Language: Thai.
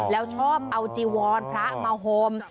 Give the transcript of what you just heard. แล้วชอบเอาจีวรพระมาโฮม